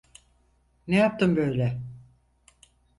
Ne yaptın böyle?